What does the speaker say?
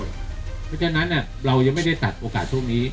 เพราะฉะนั้นเรายังไม่ได้ตัดโอกาสช่วงนี้